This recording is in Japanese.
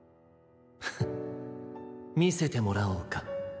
フッみせてもらおうか。